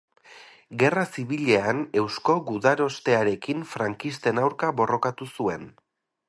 Gerra zibilean Eusko Gudarostearekin frankisten aurka borrokatu zuen.